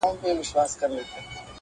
یو د بل په وینو سره به کړي لاسونه،